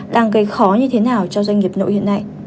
đang gây khó như thế nào cho doanh nghiệp nội hiện nay